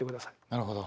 なるほど。